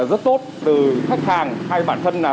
rất tốt từ khách hàng hay bản thân